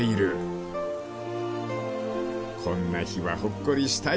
［こんな日はほっこりしたいよな］